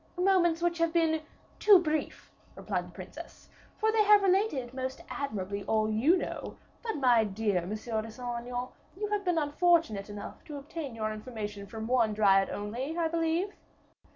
"Moments which have been too brief," replied the princess; "for you have related most admirably all you know; but, my dear Monsieur de Saint Aignan, you have been unfortunate enough to obtain your information from one Dryad only, I believe?"